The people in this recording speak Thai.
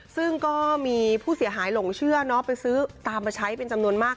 ซึ่งก็มีผู้เสียหายหลงเชื่อไปซื้อตามมาใช้เป็นจำนวนมาก